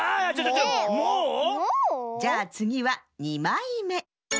もう⁉じゃあつぎは２まいめ！